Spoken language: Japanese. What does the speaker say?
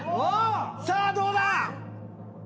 さあどうだ